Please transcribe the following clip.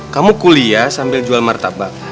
kamu kuliah sambil jual martabak